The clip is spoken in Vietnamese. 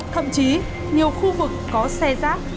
thậm chí nhiều khu vực có xe rác